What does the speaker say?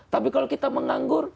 tapi kalau kita menganggur